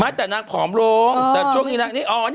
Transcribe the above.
ไม่แต่นางผอมลงแต่ช่วงนี้นางนี่